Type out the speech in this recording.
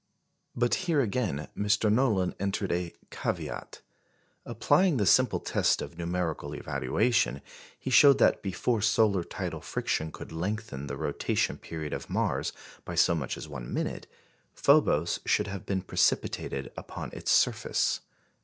But here again Mr. Nolan entered a caveat. Applying the simple test of numerical evaluation, he showed that before solar tidal friction could lengthen the rotation period of Mars by so much as one minute, Phobos should have been precipitated upon its surface.